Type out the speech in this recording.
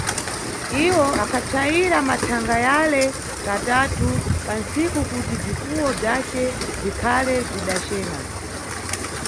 Iwo akhapsayira mʼmathanga yale katatu pa ntsiku kuti bzifuwo bzace bzikhale bzidacena.